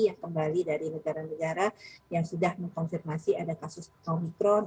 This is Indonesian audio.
yang kembali dari negara negara yang sudah mengkonfirmasi ada kasus omikron